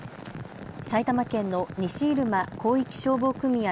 埼玉県の西入間広域消防組合